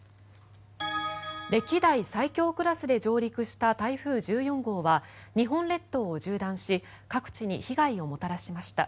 歴代最強クラスで上陸した台風１４号は日本列島を縦断し各地に被害をもたらしました。